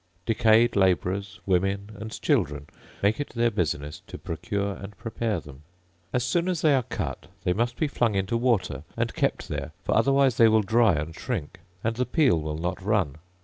Decayed labourers, women, and children, make it their business to procure and prepare them. As soon as they are cut they must be flung into water, and kept there; for otherwise they will dry and shrink, and the peel will not run.